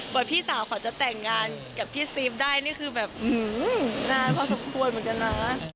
พี่สาวเขาจะแต่งงานกับพี่ซีฟได้นี่คือแบบนานพอสมควรเหมือนกันนะ